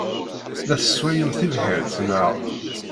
La tesswayem tibḥirt, naɣ?